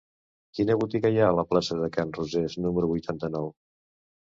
Quina botiga hi ha a la plaça de Can Rosés número vuitanta-nou?